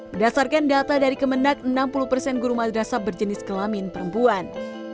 berdasarkan data dari kemenak enam puluh persen guru madrasah berjenis kelamin perempuan